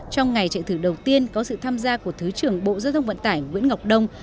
trong ngày chạy thử đầu tiên có sự tham gia của thứ trưởng bộ giao thông vận tải nguyễn ngọc đông